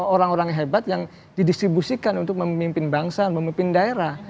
orang orang hebat yang didistribusikan untuk memimpin bangsa memimpin daerah